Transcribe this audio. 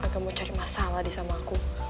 agak mau cari masalah di sama aku